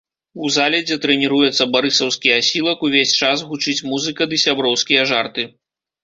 У зале, дзе трэніруецца барысаўскі асілак, увесь час гучыць музыка ды сяброўскія жарты.